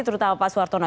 terutama pak suwartono